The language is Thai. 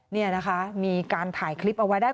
นี่นะคะมีการถ่ายคลิปเอาไว้ได้